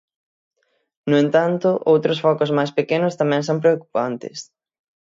No entanto, outros focos máis pequenos tamén son preocupantes.